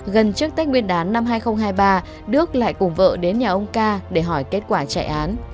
gần trước tết nguyên đán năm hai nghìn hai mươi ba đức lại cùng vợ đến nhà ông ca để hỏi kết quả chạy án